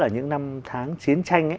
những năm tháng chiến tranh